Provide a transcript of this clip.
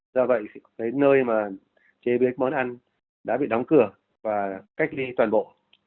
do vậy cái nơi mà chế biến món ăn đã bị đóng cửa và cách ly toàn bộ